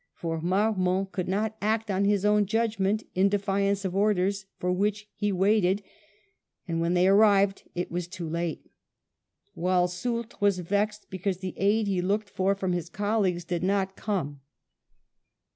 For Marmont could not act on his own judgment in defiance of orders for which he waited, and when they arrived it was too late ; while Soult was vexed because the aid he looked for from his colleague did not come.